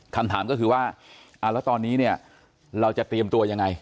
คำถามก็คือว่าแล้วตอนนี้เนี่ยเราจะเตรียมตัวยังไง